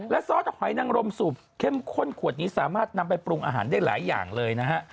ซอสหอยนังรมสูบเข้มข้นขวดนี้สามารถนำไปปรุงอาหารได้หลายอย่างเลยนะฮะ